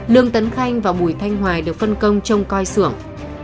lương tấn khanh và bùi thanh hoài được phân công trong coi sưởng